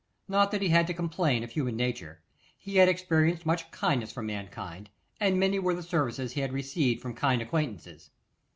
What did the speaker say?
Not that he had to complain of human nature. He had experienced much kindness from mankind, and many were the services he had received from kind acquaintances.